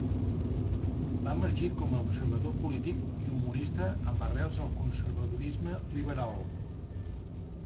Va emergir com a observador polític i humorista amb arrels al conservadorisme liberal.